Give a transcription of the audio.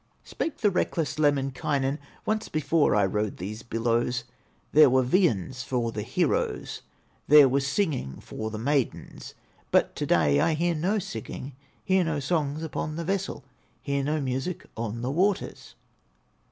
Spake the reckless Lemminkainen: "Once before I rode these billows, There were viands for the heroes, There was singing for the maidens; But to day I hear no singing, Hear no songs upon the vessel, Hear no music on the waters."